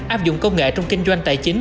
áp dụng công nghệ trong kinh doanh tài chính